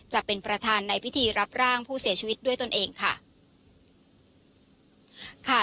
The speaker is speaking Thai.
จะเป็นประธานในพิธีรับร่างผู้เสียชีวิตด้วยตนเองค่ะ